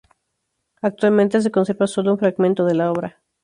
Actualmente se conserva solo un fragmento de la obra.